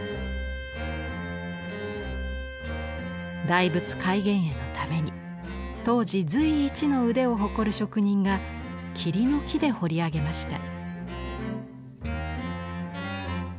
大仏開眼会のために当時随一の腕を誇る職人が桐の木で彫り上げました。